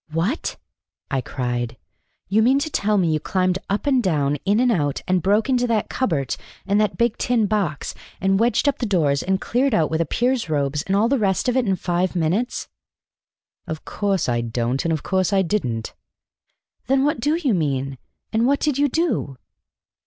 "What!" I cried. "You mean to tell me you climbed up and down, in and out, and broke into that cupboard and that big tin box, and wedged up the doors and cleared out with a peer's robes and all the rest of it in five minutes?" "Of course I don't, and of course I didn't." "Then what do you mean, and what did you do?"